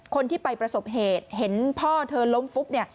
คนที่ไปประสบเหตุเห็นพ่อเธอล้มฟุบเนี่ย